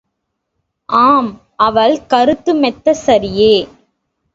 ஆம் அவள் கருத்து மெத்தச் சரியே.